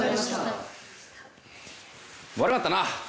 悪かったな。